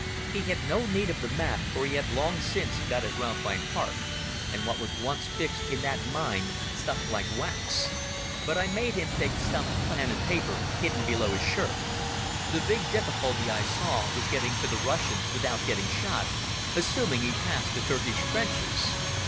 He had no need of the map for he had long since got his route by heart, and what was once fixed in that mind stuck like wax; but I made him take Stumm's plan and paper, hidden below his shirt. The big difficulty, I saw, would be getting to the Russians without getting shot, assuming he passed the Turkish trenches.